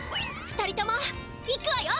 ２人ともいくわよ！